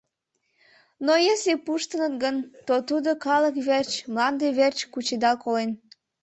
Но если пуштыныт гын, то тудо калык верч, мланде верч кучедал колен.